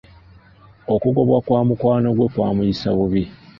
Okugobwa kwa mukwano gwe kwamuyisa bubi.